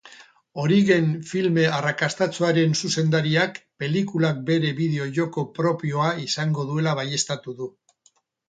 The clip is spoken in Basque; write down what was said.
Origen filme arrakastatsuaren zuzendariak pelikulak bere bideo-joko propioa izango duela baieztatu du.